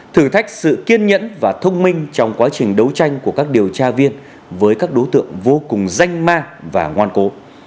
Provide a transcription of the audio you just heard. thử thách sự kiên nhẫn và thông minh trong quá trình đấu tranh của các điều tra viên với các đối tượng vô cùng danh ma và ngoan cố